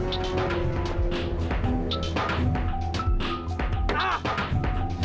kamu gak mau tau aku bisa ngapain aja